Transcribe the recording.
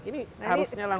ini harusnya langsung